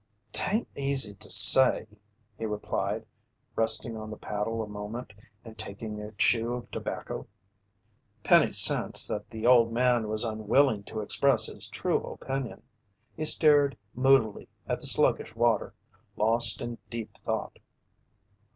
"'Tain't easy to say," he replied, resting on the paddle a moment and taking a chew of tobacco. Penny sensed that the old man was unwilling to express his true opinion. He stared moodily at the sluggish water, lost in deep thought.